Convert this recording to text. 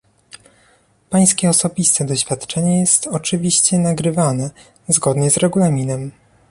Pańskie osobiste oświadczenie jest oczywiście nagrywane, zgodnie z Regulaminem